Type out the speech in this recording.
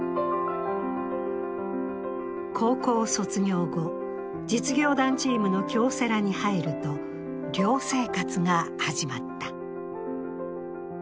高校卒業後、実業団チームの京セラに入ると、寮生活が始まった。